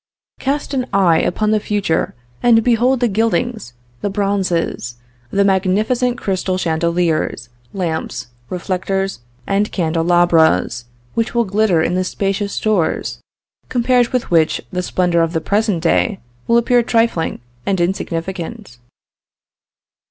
Cast an eye upon the future and behold the gildings, the bronzes, the magnificent crystal chandeliers, lamps, reflectors and candelabras, which will glitter in the spacious stores, compared with which the splendor of the present day will appear trifling and insignificant.